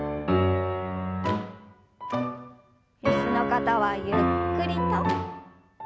椅子の方はゆっくりと。